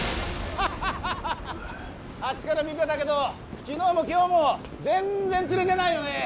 ・ハハハハハハッあっちから見てたけど昨日も今日も全然釣れてないよね